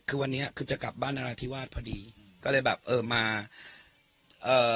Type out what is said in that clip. คือวันนี้คือจะกลับบ้านนราธิวาสพอดีอืมก็เลยแบบเออมาเอ่อ